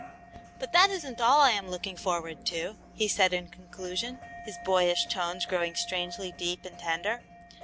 "But that isn't all I am looking forward to," he said, in conclusion, his boyish tones growing strangely deep and tender.